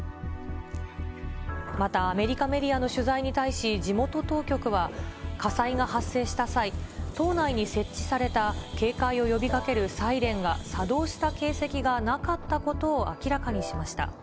またアメリカメディアの取材に対し、地元当局は、火災が発生した際、島内に設置された警戒を呼びかけるサイレンが作動した形跡がなかったことを明らかにしました。